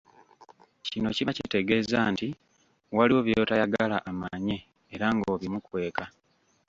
Kino kiba kitegeeza nti waliwo by'otayagala amanye era ng'obimukweka.